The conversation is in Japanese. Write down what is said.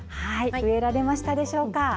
植えられましたでしょうか。